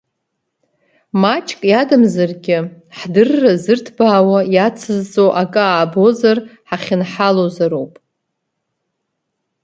Маҷк иадамзаргьы ҳдырра зырҭбаауа, иацызҵо акы аабозар, ҳахьынҳалозароуп.